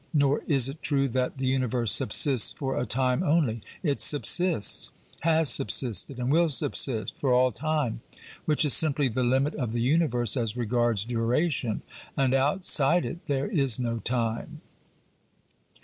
Nor is it true that the universe subsists for a time only ; it subsists, has sub sisted and will subsist for all time, which is simply the limit of the universe as regards duration, and outside it there is no time.